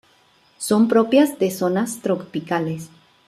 Son propias de zonas tropicales.